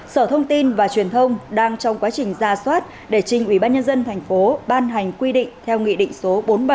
sở thông tin và truyền thông đang trong quá trình ra soát để trình ubnd tp ban hành quy định theo nghị định số bốn mươi bảy